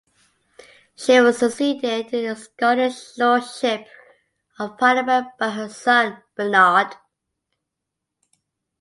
She was succeeded in the Scottish lordship of parliament by her son, Bernard.